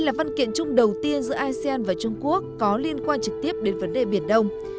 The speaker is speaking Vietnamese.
là văn kiện chung đầu tiên giữa asean và trung quốc có liên quan trực tiếp đến vấn đề biển đông